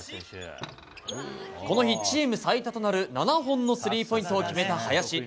この日、チーム最多となる７本のスリーポイントを決めた林。